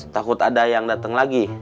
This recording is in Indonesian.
takut ada yang datang lagi